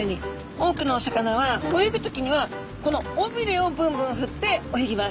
多くのお魚は泳ぐ時にはこの尾びれをブンブンふって泳ぎます。